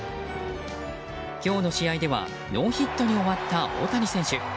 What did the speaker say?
今日の試合ではノーヒットに終わった大谷選手。